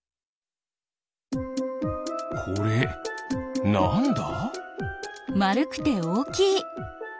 これなんだ？